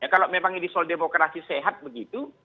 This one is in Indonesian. kalau memang ini soal demokrasi sehat begitu